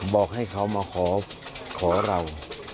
บอกให้เขามาขอเรา